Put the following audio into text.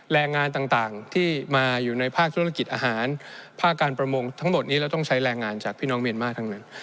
แรงงานต่างที่มาอยู่ในภาคธุรกิจอาหารภาคการประมงทั้งหมดนี้เราต้องใช้แรงงานจากพี่น้องเมียนมาร์ทั้งนั้น